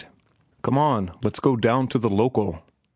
"Come on, let's go down to the local."